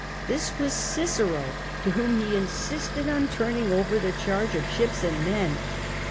This was Cicero, to whom he insisted on turning over the charge of ships and men.